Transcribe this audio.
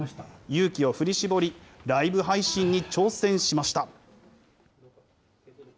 勇気を振り絞り、ライブ配信に挑戦しました。